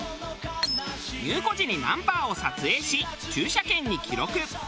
入庫時にナンバーを撮影し駐車券に記録。